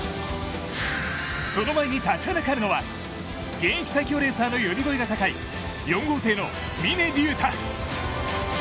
その前に立ちはだかるのは現役最強レーサーの呼び声が高い４号艇の峰竜太。